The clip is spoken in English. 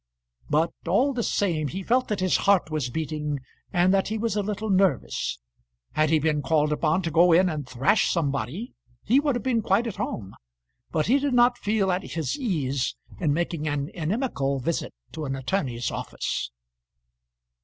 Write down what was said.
But all the same he felt that his heart was beating, and that he was a little nervous. Had he been called upon to go in and thrash somebody, he would have been quite at home; but he did not feel at his ease in making an inimical visit to an attorney's office.